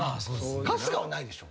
春日はないでしょ？